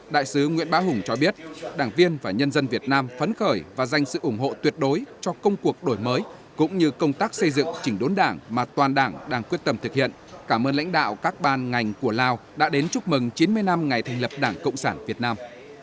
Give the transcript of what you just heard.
đại sứ nguyễn bá hùng cho biết đảng viên và nhân dân việt nam phấn khởi và dành sự ủng hộ tuyệt đối cho công cuộc đổi mới cũng như công tác xây dựng chỉnh đốn đảng mà toàn đảng đang quyết tâm thực hiện cảm ơn lãnh đạo các ban ngành của lào đã đến chúc mừng chín mươi năm ngày thành lập đảng cộng sản việt nam